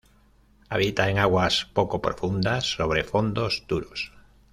Habita en aguas poco profundas, sobre fondos duros.